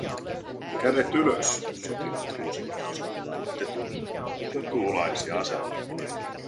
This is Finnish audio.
"Kädet ylös", sotilaat huusivat osoittaen tetulaisia aseillaan.